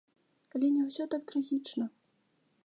Але не ўсё так трагічна.